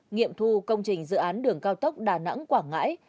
nghiệm thu công trình dự án đường cao tốc đà nẵng quảng ngãi